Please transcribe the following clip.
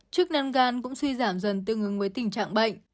chức năng gan cũng suy giảm dần tương ứng với tình trạng bệnh